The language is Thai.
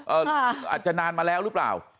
อาจจะนานมาแล้วหรือเปล่า